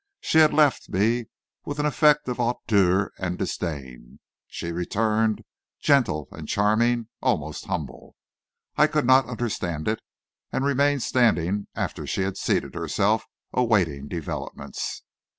She had left me with an effect of hauteur and disdain; she returned, gentle and charming, almost humble. I could not understand it, and remained standing after she had seated herself, awaiting developments.